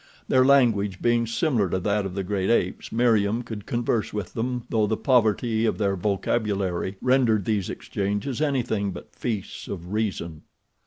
Their language being similar to that of the great apes Meriem could converse with them though the poverty of their vocabulary rendered these exchanges anything but feasts of reason.